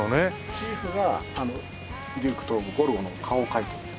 チーフがデューク東郷ゴルゴの顔を描いています。